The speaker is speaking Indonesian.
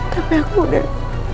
tapi aku udah